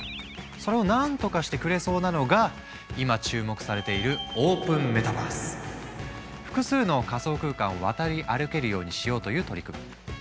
それを何とかしてくれそうなのが今注目されている複数の仮想空間を渡り歩けるようにしようという取り組み。